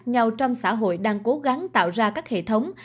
nhau trong xã hội đang cố gắng tạo ra các hệ thống